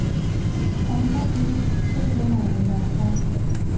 咁得意？設置難唔難㗎？